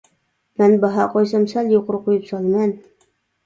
مەن باھا قويسام سەل يۇقىرى قويۇپ سالىمەن.